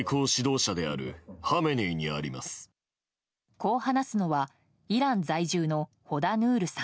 こう話すのはイラン在住のホダ・ヌールさん。